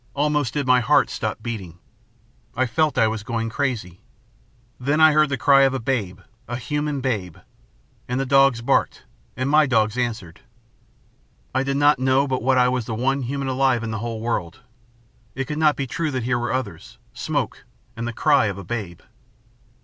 Almost did my heart stop beating. I felt that I was going crazy. Then I heard the cry of a babe a human babe. And dogs barked, and my dogs answered. I did not know but what I was the one human alive in the whole world. It could not be true that here were others smoke, and the cry of a babe.